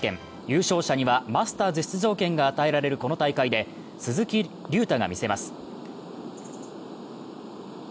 優勝者にはマスターズ出場権が与えられるこの大会で鈴木隆太が見せます。